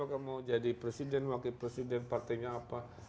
apa kamu jadi presiden wakil presiden partainya apa